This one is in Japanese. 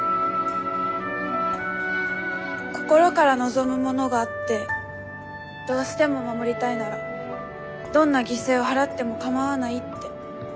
心から望むものがあってどうしても守りたいならどんな犠牲を払ってもかまわないって。